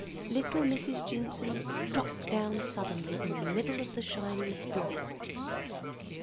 Little Mrs. Jimson dropped down suddenly in the middle of the shining floor.